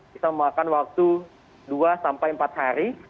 bisa memakan waktu dua sampai empat hari